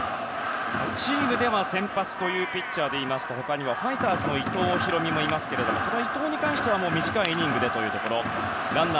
チームでは先発というピッチャーでいいますと他にはファイターズの伊藤大海もいますが伊藤に関しては短いイニングというところ。